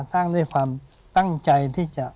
สร้างด้วยความตั้งใจที่จะ